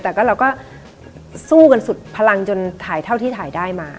แต่ก็เราก็สู้กันสุดพลังจนถ่ายเท่าที่ถ่ายได้มา